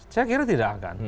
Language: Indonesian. saya kira tidak akan